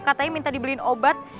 katanya minta dibeliin obat